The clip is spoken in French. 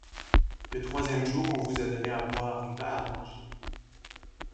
Le troisième jour on vous a donné à boire et pas à manger.